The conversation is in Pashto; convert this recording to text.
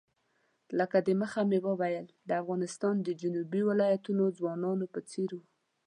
لکه د مخه مې وویل د افغانستان د جنوبي ولایتونو ځوانانو په څېر وو.